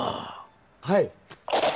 はい。